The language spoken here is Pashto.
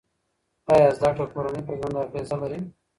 آیا زده کړه د کورنۍ په ژوند اغېزه لري؟